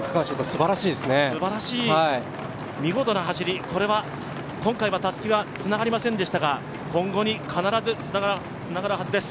すばらしい見事な走り、今回はたすきはつながりませんでしたが今後に必ずつながるはずです。